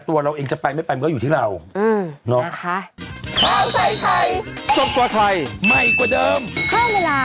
เราเองจะไปไม่ไปมันก็อยู่ที่เรานะคะ